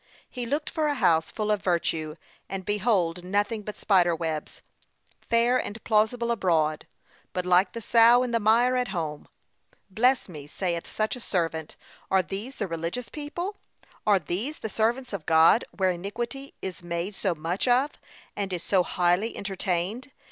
He looked for a house full of virtue, and behold nothing but spider webs; fair and plausible abroad, but like the sow in the mire at home. Bless me, saith such a servant, are these the religious people! Are these the servants of God, where iniquity is made so much of, and is so highly entertained!